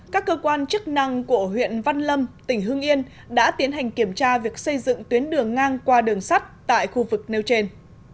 các cơ quan chức năng của huyện văn lâm tỉnh hưng yên đã tiến hành kiểm tra việc xây dựng tuyến đường ngang qua đường sắt tại khu vực nêu trên